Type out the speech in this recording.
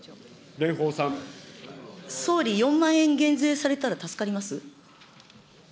総理、４万円減税されたら助かります。